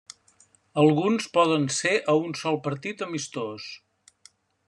Alguns poden ser a un sol partit amistós.